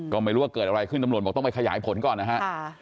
ก็ไม่รู้ว่าเกิดอะไรขึ้นตำรวจบอกต้องไปขยายผลก่อนนะฮะ